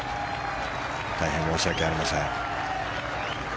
大変申し訳ありません。